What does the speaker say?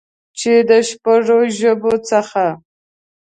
چې د شپږ ژبو څخه